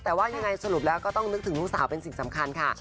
แต่ว่ายังไงสรุปแล้วก็ต้องนึกถึงลูกสาวเป็นสิ่งสำคัญค่ะ